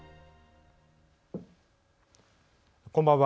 こんばんは。